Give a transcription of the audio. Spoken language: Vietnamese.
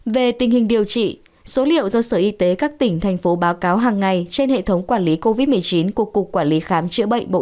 về tình hình điều trị số liệu do sở y tế các tỉnh thành phố báo cáo hàng ngày trên hệ thống quản lý covid một mươi chín của cục quản lý khả năng